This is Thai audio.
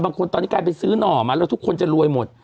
บางคนตอนนี้กลายเป็นซื้อหน่อมาแล้วทุกคนจะรวยหมด